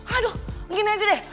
aduh gini aja deh